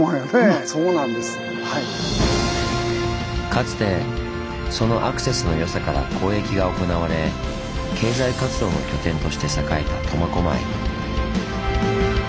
かつてそのアクセスの良さから交易が行われ経済活動の拠点として栄えた苫小牧。